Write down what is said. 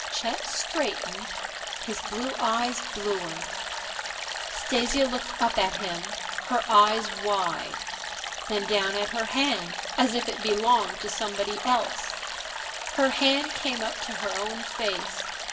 Chet straightened, his blue eyes bluer. Stasia looked up at him, her eyes wide. Then down at her own hand, as if it belonged to somebody else. Her hand came up to her own face.